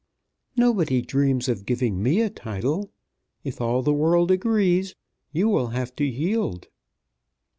"Nobody dreams of giving me a title. If all the world agrees, you will have to yield."